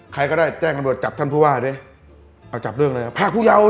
ใครก็ได้แจ้งอันบริโภคจับท่านผู้ว่าดิเอาจับเรื่องอะไรภาคผู้เยาว์ดิ